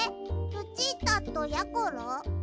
ルチータとやころ？